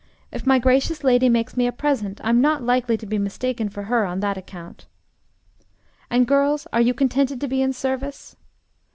If my gracious lady makes me a present, I'm not likely to be mistaken for her on that account.' 'And girls, are you contented to be in service?'